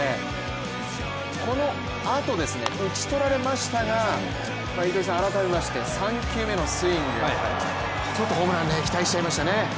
このあと、打ち取られましたが改めまして３球目のスイング、ちょっとホームラン期待しちゃいましたね。